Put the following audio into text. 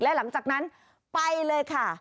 และหลังจากนั้นไปเลยค่ะ